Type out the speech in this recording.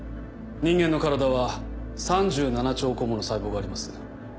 人間の体は３７兆個もの細胞があります。